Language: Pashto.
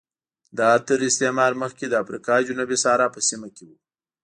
دا تر استعمار مخکې د افریقا جنوبي صحرا په سیمه کې و